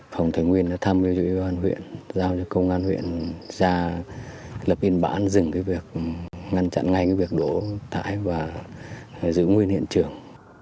phòng thành nguyên đã thăm cho chủ yếu an huyện giao cho công an huyện ra lập in bản dừng việc ngăn chặn ngay việc đổ thải và giữ nguyên hiện trường